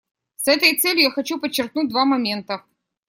С этой целью я хочу подчеркнуть два момента.